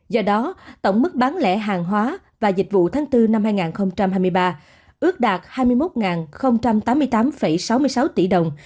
do đó tổng mức bán lẻ hàng hóa và dịch vụ tháng bốn năm hai nghìn hai mươi ba ước đạt hai mươi một tám mươi tám sáu mươi sáu tỷ đồng